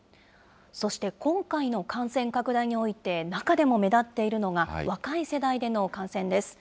そして今回の感染拡大において、中でも目立っているのが、若い世代での感染です。